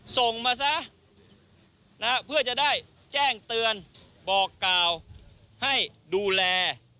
ส่งมาซะเพื่อจะได้แจ้งเตือนบอกกล่าวให้ดูแล